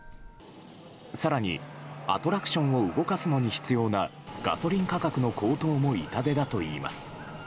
更にアトラクションを動かすのに必要なガソリン価格の高騰も痛手だといいます。